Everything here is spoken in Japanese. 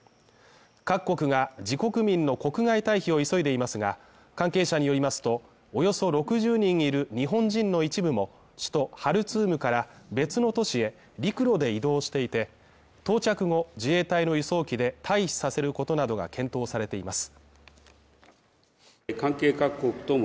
各国が自国民の国外退避を急いでいますが、関係者によりますと、およそ６０人いる日本人の一部も首都ハルツームから別の都市へ陸路で移動していて、到着後、自衛隊の輸送機で退避させることなどが検討されています。